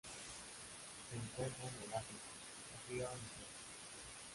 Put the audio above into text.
Se encuentran en África: río Níger.